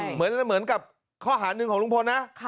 เหมือนกับข้อหาหนึ่งของลุงพลนะ